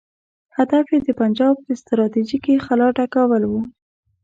هدف یې د پنجاب د ستراتیژیکې خلا ډکول وو.